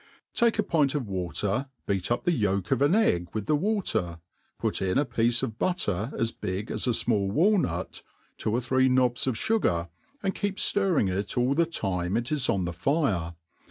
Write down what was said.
'.*" TAKE a pint of water, beat up the yolk of an egg with the water, put in a piece of butter as big as a fmali walnut, two or three knobs of fugar, and keep ftirring it all the time it is on the Are.